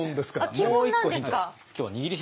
もう一個ヒントです。